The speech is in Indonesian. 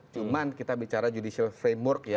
cuman kita bicara judicial framework ya